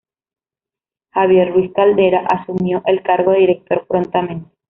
Javier Ruiz Caldera asumió el cargo de director prontamente.